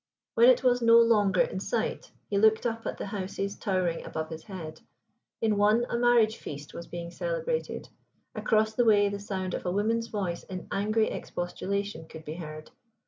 When it was no longer in sight he looked up at the houses towering above his head; in one a marriage feast was being celebrated; across the way the sound of a woman's voice in angry expostulation could be heard.